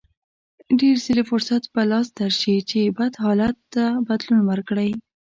ډېر ځله فرصت په لاس درشي چې بد حالت ته بدلون ورکړئ.